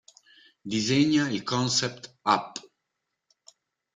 Disegna il concept "Up!